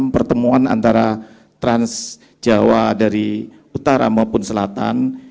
pertemuan antara trans jawa dari utara maupun selatan